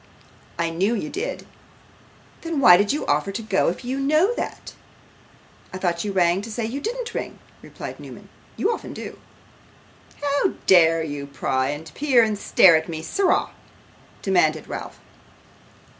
'I knew you did.' 'Then why do you offer to go if you know that?' 'I thought you rang to say you didn't ring,' replied Newman. 'You often do.' 'How dare you pry, and peer, and stare at me, sirrah?' demanded Ralph.